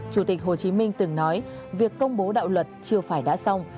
chủ tịch hồ chí minh từng nói việc công bố đạo luật chưa phải đã xong